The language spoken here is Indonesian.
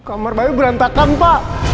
kamar bayu berantakan pak